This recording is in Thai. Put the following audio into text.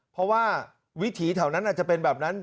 เพราะว่าวิถีแถวนั้นอาจจะเป็นแบบนั้น